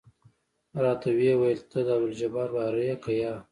راته ويې ويل ته د عبدالجبار وراره يې که يه.